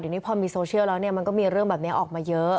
เดี๋ยวนี้พอมีโซเชียลแล้วเนี่ยมันก็มีเรื่องแบบนี้ออกมาเยอะ